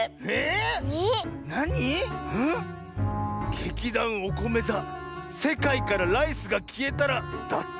劇団おこめ座「せかいからライスがきえたら」だって。